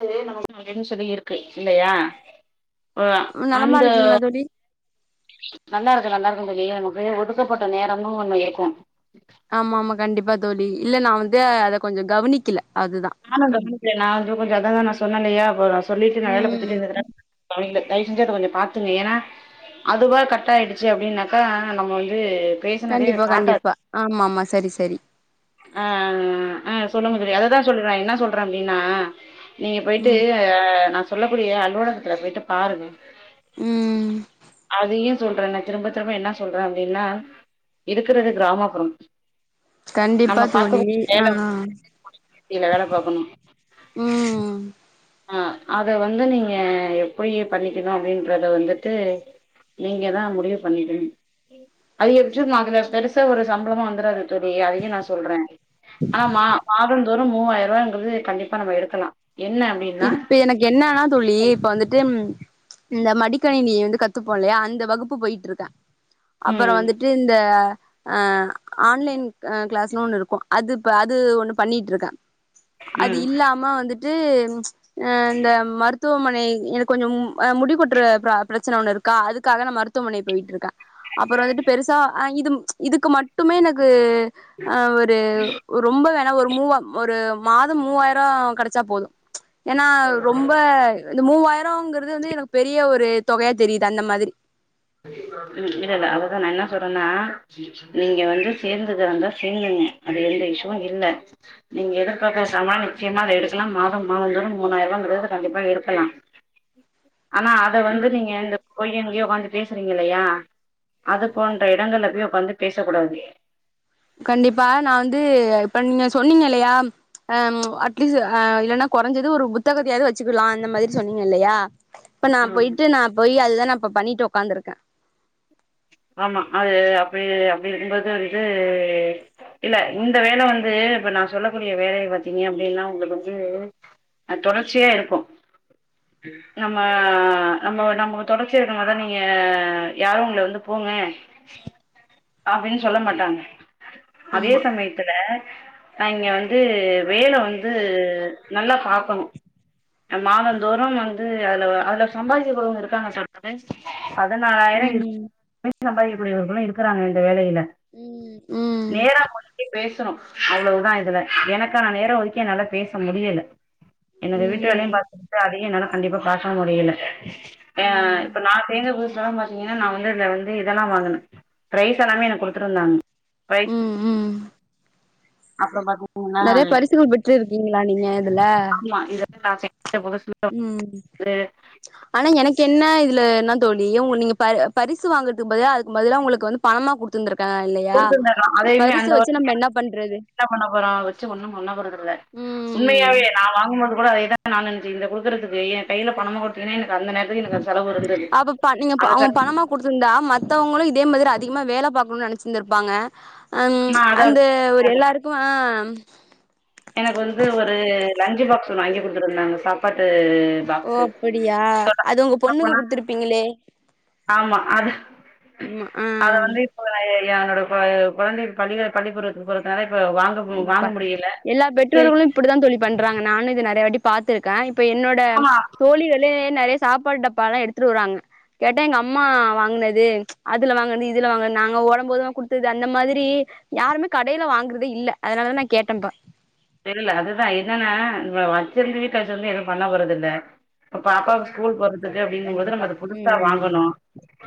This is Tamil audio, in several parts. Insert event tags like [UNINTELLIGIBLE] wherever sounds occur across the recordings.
[UNINTELLIGIBLE] அப்டின்னு சொல்லி இருக்கு இல்லையா ஒ நலமா அந்த இருக்கீங்களா தோழி நல்லா இருக்கே நல்லா இருக்கே தோழி நமக்கு ஒதுக்கப்பட்ட நேரம்னு ஒன்னு இருக்கு ஆமா ஆமா கண்டிப்பா தோழி இல்ல நா வந்து அத கொஞ்சோ கவனிக்கல அதுதா நானு [UNINTELLIGIBLE] நா வந்துட்டு கொஞ்சோ அதாங்க நா சொன்னேல்லையா அப்போ நா சொல்லிட்டு நா வேல ம் பத்துட்டே இருந்துக்கிறே குழந்த தயவு செஞ்சு அத கொஞ்சோ பாத்துங்க ஏன்னா அதுவா கரெக்டா ஆயிடுச்சு அப்டின்னாக்கா நம்ம வந்து பேசுனதே கண்டிப்பா காட்டாது கண்டிப்பா ஆமா ஆமா சரி சரி ஆஆஆ ஆ சொல்லுங்க தோழி ம் அதுதா சொல்றே என்ன சொல்றே அப்டின்னா நீங்க போயிட்டு ம் ஆ நா சொல்லக்கூடிய அலுவலகத்துல போயிட்டு பாருங்க ம் அதையு சொல்றே நா திரும்ப திரும்ப என்ன சொல்றே அப்டின்னா இருக்கிறது கிராமப்புறம் கண்டிப்பா நம்ம பாக்க தோழி ஆ வேல இதுல வேல பாக்கணும் ம் ஆ அத வந்து நீங்க எப்டியே பண்ணிக்கணு அப்டின்றத வந்துட்டு நீங்க தா முடிவு பண்ணிடுங் அதிகபட்சோ [UNINTELLIGIBLE] பெருசா ஒரு சம்பளமு வந்துராது செரி அதையு நா சொல்றே ஆனா மா மாதம் தொறும் மூவாயிரறுவங்கிறது கண்டிப்பா நம்ம எடுக்கலா என்ன அப்டின் இப்ப எனக்கு என்னன்னா தோழி இப்ப வந்துட்டும் இந்த மடிக்கணினிய வந்து கத்துப்போல்லையா அந்த வகுப்பு போயிட்ருக்கே ம் அப்புறோ வந்துட்டு இந்த அ ஆன்லைன் அ கிளாஸ்னு ஒண்ணு இருக்கு அது இப்ப அது ஒண்ணு பண்ணிட்ருக்கே அது ம் இல்லாம வந்துட்டு ம்ச் அ இந்த மருத் மருத்துவமனை எனக்கு கொஞ்சம் அ முடி கொட்ற பிர பிரச்சன ஒன்னு இருக்கா அதுக்காக நா மருத்துவமனை போயிட்ருக்கே அப்பற வந்துட்டு பெருசா அ இதும் இதுக்கு மட்டுமே எனக்கு அ ஒரு ரொம்ப வேணா ஒரு மூவா ஒரு மாத மூவாயிர கெடைச்சா போது ஏனா ரொம்ப இந்த மூவாயிரங்கிறது வந்து எனக்கு பெரிய ஒரு தொகையா தெரியிது அந்த மாதிரி ம் இல்லல்ல அததா நா என்ன சொல்றனா நீங்க வந்து சேந்துக்கிறதாந்தா சேந்துகுங்க அது எந்த இஷ்யுவு இல்ல நீங்க எதிர்பாத்த சம்பள நிச்சயமா அத எடுக்கல மாதம் மாதந் தோறும் மூணாயிரூவாங்கிறது கண்டிப்பா எடுக்கலா ஆனா அத வந்து நீங்க இந்த கொழந்தைங்களையு ஒக்காந்துட் பேசுறீங்க இல்லையா அது போன்ற எடங்கள்ல போய் ஒக்காந்து பேசக் கூடாது கண்டிப்பா நா வந்து இப்ப நீங்க சொன்னீங்க இல்லையா அ அட்லீஸ்ட் ஆ இல்லனா கொறைஞ்சது ஒரு புத்தகத்தையாவ்து வச்சுக்கலா அந்த மாதிரி சொன்னீங்க இல்லையா இப்ப நா ம் போயிட்டு நா போய் அதுதா நா இப்ப பண்ணிட்டு ஒக்காந்துருக்கே ஆமா அது அப்டி அப்டி இருக்கும்போது வந்து இல்ல இந்த வேல வந்து இப்ப நா சொல்லக்கூடிய வேலைய பாத்தீங்க அப்டினா உங்களுக்கு வந்து அது தொடர்ச்சியா இருக்கு நம்ம நம்ம நமக்கு தொடர்ச்சியா இருக்க மாரிதா நீங்க யாரு உங்கள வந்து போங்க பாப்பீங்கன் சொல்ல மாட்டாங்க அதே ஆமா சமயத்துல நா இங்க வந்து வேல வந்து நல்லா பாக்கணு அ மாதந்தோறும் வந்து அதுல அதுல சம்பாரிக்க கூடியவ்ங்க இருக்காங்க சத் மாச பதினாலாயிர [INAUDIBLE] ம் சம்பாதிக்கக் கூடியவர்களு இருக்கிறாங்க இந்த வேலையில ம் ம் நேரா போயி போய் பேசணு அவ்வளவுதா இதுல எனக்கான நேர ஒதுக்கி என்னால பேச முடியல எனக்கு வீட்டு வேலையு ம் பாத்துபுட்டு சோ அதையு என்னால கண்டிப்பா பாக்க முடியல ஏ இப்ப நா சேந்த புதுசுல லா பாத் தீங்கனா நா வந்து இதுல வந்து இதெல்லா வாங்குன ப்ரைஸ் எல்லாமே எனக்கு குடுத்துருந்தாங்க ப்ரைஸ் ம் ம் அப்பற [INAUDIBLE] நெறைய பரிசுகள் பெற்று இருக்கீங்களா நீங்க இதுல ஆமா அதேதா [INAUDIBLE] ம் ஆனா எனக்கு என்ன இதுல என்ன தோழி உங்க நீங்க ப பரிசு வாங்குறதுக்கு பதிலா அதுக்கு பதிலா உங்களுக்கு வந்து பணமா குடுத்துருந்துருக்களா இல்லையா குடுத்திருந்தாங்க இ அதையுமே பரிசு அந்த வச்சு வருஷம் நம்ம என்ன பண்றது என்ன பண்ண போற வெச்சு ஒன்னு பண்ண போறதுல்ல ம் உண்மையாவே நா வாங்கும்போது கூட அதேதா நானு நெனச்சுட்ருந்த குடுக்குறதுக்கு எ கைல பணமா குடுத்தீங்னா எனக்கு அந்த நேரத் ல்ரெடி எனக்கு அதுக்கு செலவு வருன் தெரியு அத கத் ந்தா மத்தவுங்களு இதே மாதிரி அதிகமா வேல பாக்கணுன் நேனைச்சிருந்திருப்பாங்க அம் நா அத அந்த ஒரு எல்லாருக்கு ஆ எனக்கு வந்து ஒரு லஞ்சு பாக்ஸு ஒன்னு வாங்கி குடுத்துருந்தாங்க சாப்பாட்டு ஓ பாக்ஸு அப்புடியா அது உங்க சொல்ல பொண்ணுக்கு போனா குடுத்துருப்பீங்களே ஆமா அத ஆமா ஆ அத வந்து அப்ற ஐய்யோ என்னோட கொழ கொழந்தைக்கு பள்ளில பள்ளிக்கூடத்திற்கு போறதுனால இப்ப வாங் கண்டிப்பா எல்லா பெற்றோர்களும் இப்டி தா தோழி பண்றாங்க நானு இத நெறைய வாட்டி பாத்திருக்கே இப்ப என்னோட ஆமா தோழிகள் ளே நெறையா சாப்பாடு டப்பாலா எடுத்துட்டு வருவாங்க கேட்டா எங்கம்மா வாங்குனது அதுல வாங்குனது இதுல வாங்குனது நாங்க ஓடம்போது குடுத்தது அந்த மாதிரி யாருமே கடைல வாங்குறதே இல்ல அதனாலதா நா கேட்டம்ப்பா தெரில அதுதா என்னனா நம்ம வச்சிந்து வீட்ல வச்சிந்து எதும் பண்ண போறதில்ல இப்ப பாப்பாவுக் ஸ்கூல் போறதுக்கு அப்டிங்கும் போது நம்ம கண்டிப்பா அத புதுசா ம் வாங்கணு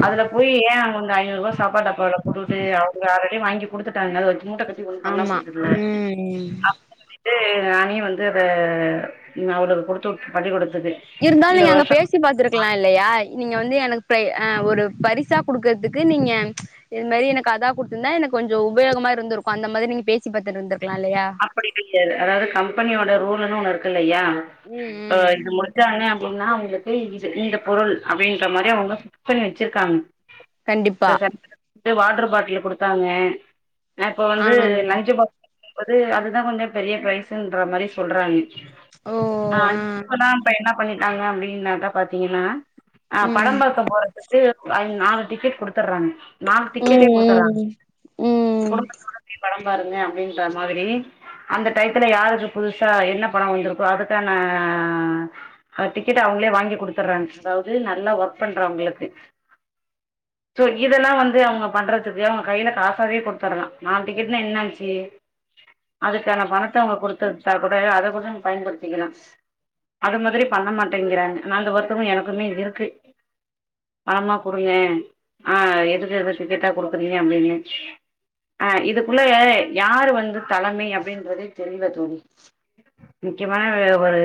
அதுலப் போய் ஏ அங்கவங்க ஐநூறுவா சாப்பாட் டப்பாவல போடுட்டு அவுங்க ஆரடி வாங்கி குடுத்துட்டாங்க அத வெச்சு மூட்டக்கட் ஆமா ம் ம் சொல்லிட்டு நானே வந்து அத ந அவளுக்கு குடுத்துவூட் பள்ளிகூடத்துக்கு இருந்தாலு எங்க பேச் சி பாத்திருக்லா இல்லையா நீங்க வந்து எனக்கு பிரை அ ஒரு பரிசா குடுக்கறதுக்கு நீங்க இது மேரி எனக் அதா குடுத்துந்தா எனக் கொஞ்சோ உபயோகமா இருந்திருக்கு அந்த மாதிரி நீங்க பேசி பாத்துட்ருந்திருக்லா இல்லையா அப்படி கய்யாது அதாவது கம்பெனியோட ரூல்லுனு ஒன்னு இருக்குல்லையா ம் அ ம் இது முடிச்சாங்க அப்டினா அவுங்ளுக் கேய் இது இந்தப் பொருள் அப்டின்ற மாரி அவுங்க புக் பண்ணி வச்சிருக்காங்க கண்டிப்பா [UNINTELLIGIBLE] வாட்ரு பாட்லு குடுத்தாங்க அ இப்ப ஆ வந்து லஞ்ச்சு பாக் வது அதுதா கொஞ்சோப் பெரிய பிரைஸ்ன்ற மாரி சொல்றாங்க ஓ ஆ இப்பதா இப்ப என்னப் பண்ணிட்டாங்க அப்டின்னாட்டா பாத்தீங்கன்னா ஆ படம் ம் பாக்க போறதுக் து அயிங் நாலு டிக்கெட் குடுத்தர்றாங் நாலு டிக்கெட்டே குடுத்தர்றாங் ம் ம் ம் குடும்பத்தோட போய் படம் பாருங்க அப்டின்ற மாதிரி அந்த டயத்துல யாருக்கு புதுசா என்னப் படோ வந்திருக்கோ அதுக்கான அ டிக்கெட் அவங்ளே வாங்கி குடுத்தர்றாங் அதாவ்து நல்லா ஒர்க் பண்றவுங்ளுக்கு சோ இதெல்லா வந்து அவுங்கப் பண்றதுக்கு அவுங்க கைல காசாவே குடுத்தர்லா நாலு டிக்கெட்னா என்ன ஆச்சி அதுக்கானப் பணத்த அவுங்க குடுத்துட்டா கூட அத கூடன் பயன்படுத்திக்கிலா அத மாதிரி பண்ண மாட்டேன்கிறாங்க நாங்க ஒருத்தவுங்க எனக்குமே இருக்கு பணமா குடுங்க ஆ எதுக்கு இத டிக்கெட்டா குடுக்குறீங்க அப்டினு அ இதுக்குள்ள யாரு வந் ரு தலைமை அப்டின்றதேத் தெரில தோழி முக்கியமானவே ஒரு